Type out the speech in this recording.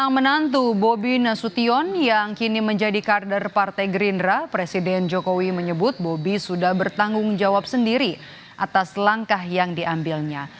menantu bobi nasution yang kini menjadi kader partai gerindra presiden jokowi menyebut bobi sudah bertanggung jawab sendiri atas langkah yang diambilnya